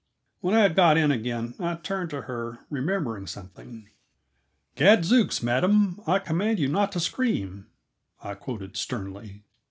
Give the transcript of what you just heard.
When I had got in again, I turned to her, remembering something. "Gadzooks, madam! I command you not to scream," I quoted sternly.